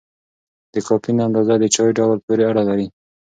د کافین اندازه د چای ډول پورې اړه لري.